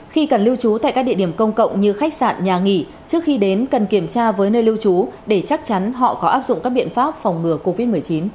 khi cần lưu trú tại các địa điểm công cộng như khách sạn nhà nghỉ trước khi đến cần kiểm tra với nơi lưu trú để chắc chắn họ có áp dụng các biện pháp phòng ngừa covid một mươi chín